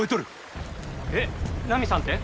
えっナミさんって？